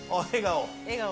笑顔！